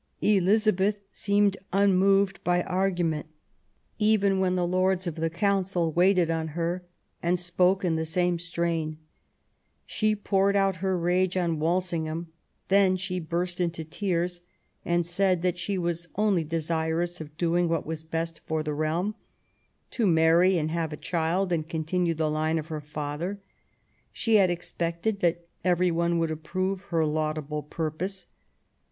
Elizabeth seemed unmoved by argument, even 174 QUEEN ELIZABETH. when the Lords of the Council waited on her and spoke in the same strain. She poured out her rage on Walsingham ; then she burst into tears, and said that she was only desirous of doing what was best for the realm, ''to marry and have a child and continue the line of her father "; she had expected that every one would approve of her laudable purpose.